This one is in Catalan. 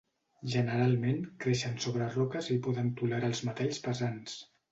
Generalment creixen sobre roques i poden tolerar els metalls pesants.